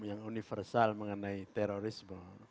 yang universal mengenai terorisme